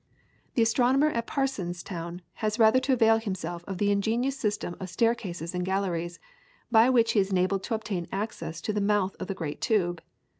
The astronomer at Parsonstown has rather to avail himself of the ingenious system of staircases and galleries, by which he is enabled to obtain access to the mouth of the great tube.